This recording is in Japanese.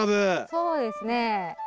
そうですね。